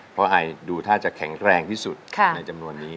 เพราะไอดูท่าจะแข็งแรงที่สุดในจำนวนนี้